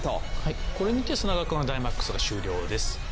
これにて砂川くんはダイマックスは終了です。